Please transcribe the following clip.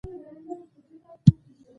افغانستان په اسیا لویه کې یو پروت هیواد دی .